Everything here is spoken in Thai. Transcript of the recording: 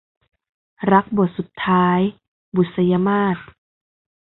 รักบทสุดท้าย - บุษยมาส